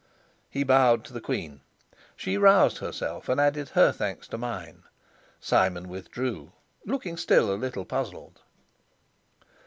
He bowed to the queen; she roused herself, and added her thanks to mine. Simon withdrew, looking still a little puzzled.